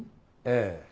ええ。